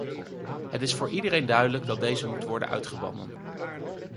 Het is voor iedereen duidelijk dat deze moeten worden uitgebannen.